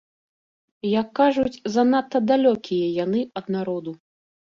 Як кажуць, занадта далёкія яны ад народу.